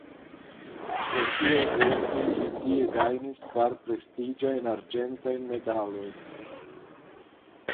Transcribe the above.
Pro siaj verkoj li tie gajnis kvar prestiĝajn arĝentajn medalojn.